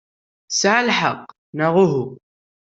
Tesɛa lḥeqq, neɣ uhu?